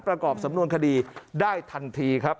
ประกอบสำนวนคดีได้ทันทีครับ